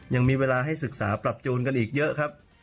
ยังมีเวลาให้ศึกษาปรับจูนกันอีกเยอะครับ